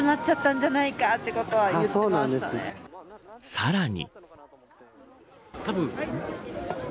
さらに。